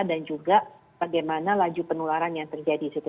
dan juga bagaimana laju penularan yang terjadi di situ